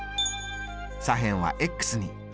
左辺はに。